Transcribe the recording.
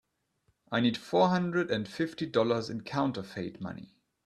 I need four hundred and fifty dollars in counterfeit money.